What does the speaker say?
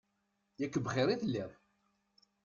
Yak bxir i telliḍ!